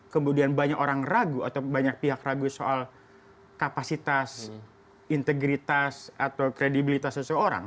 kemudian banyak orang ragu atau banyak pihak ragu soal kapasitas integritas atau kredibilitas seseorang